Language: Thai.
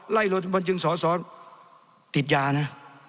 ไล่ละจึงสะสอติดยานะ